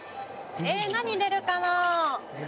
何が出るかな？